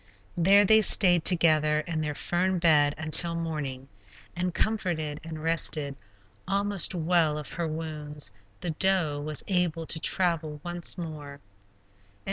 There they stayed together in their fern bed until morning, and comforted and rested, almost well of her wounds, the doe was able to travel once more.